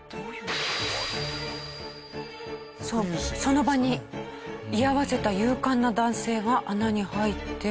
その場に居合わせた勇敢な男性が穴に入って。